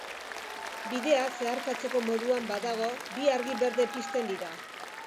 Bidea zeharkatzeko moduan badago, bi argi berde pizten dira.